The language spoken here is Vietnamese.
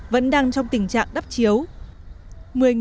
vẫn đang trong tình trạng đáp trả